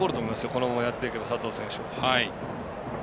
このままやっていれば、佐藤選手。